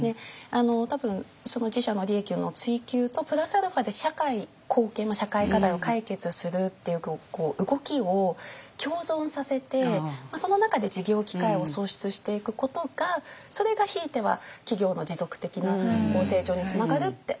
多分その自社の利益の追求とプラスアルファで社会貢献社会課題を解決するっていう動きを共存させてその中で事業機会を創出していくことがそれがひいては企業の持続的な成長につながるって思ってるんで。